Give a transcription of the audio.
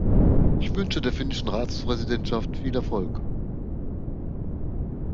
Ich wünsche der finnischen Ratspräsidentschaft viel Erfolg.